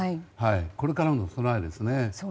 これからの備えですね。